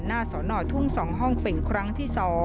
สอนอทุ่ง๒ห้องเป็นครั้งที่๒